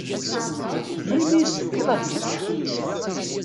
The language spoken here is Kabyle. Melmi i s-tefkiḍ ad yečč?